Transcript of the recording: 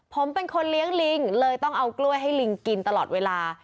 ผมเป็นคนเลี้ยงลิงเลยต้องเอากล้วยให้ลิงกินตลอดเวลา